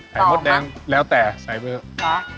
ใส่มดแดงแล้วแต่ใส่ไปเถอะ